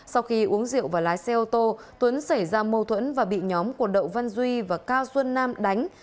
sau khi uống rượu và lái xe ô tô tuấn xảy ra mâu thuẫn và bị nhóm của đậu văn duy và cao xuân nam đánh